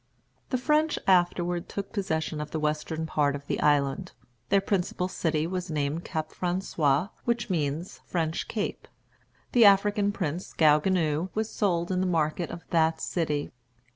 The French afterward took possession of the western part of the island. Their principal city was named Cap François, which means French Cape. The African prince Gaou Guinou was sold in the market of that city.